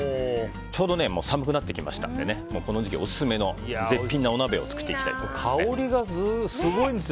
ちょうど寒くなってきましたのでこの時期オススメの絶品のお鍋を香りがすごいですよ。